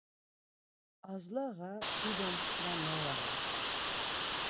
Azlağa dido msǩva noğa on.